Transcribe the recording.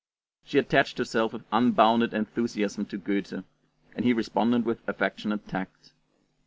She attached herself with unbounded enthusiasm to Goethe, and he responded with affectionate tact.